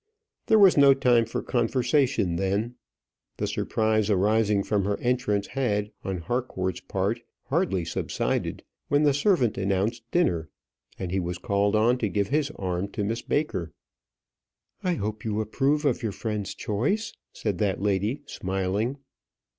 There was no time for conversation then. The surprise arising from her entrance had, on Harcourt's part, hardly subsided, when the servant announced dinner, and he was called on to give his arm to Miss Baker. "I hope you approve your friend's choice," said that lady, smiling.